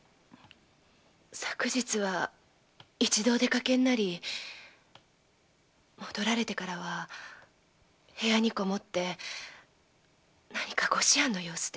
昨日は一度お出かけになり戻られてからは部屋にこもって何かご思案の様子で。